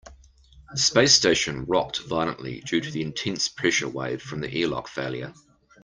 The space station rocked violently due to the intense pressure wave from the airlock failure.